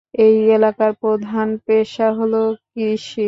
এই এলাকার প্রধান পেশা হল কৃষি।